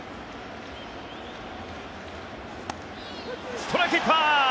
ストライクいっぱい！